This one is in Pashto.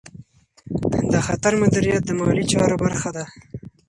د خطر مدیریت د مالي چارو برخه ده.